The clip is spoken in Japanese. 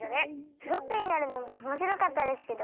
ブロックになるのもおもしろかったですけど